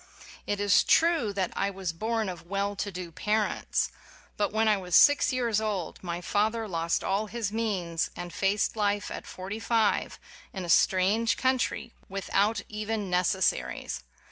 It is true that I was born of well to do parents. But when I was six years old my father lost all his means, and faced life at forty five, in a strange country, without even neces saries.